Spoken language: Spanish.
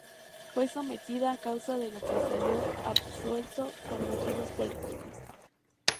Fue sometido a causa, de la que salió absuelto por motivos políticos.